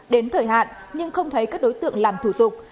đến thời hạn nhưng không thấy các đối tượng làm thủ tục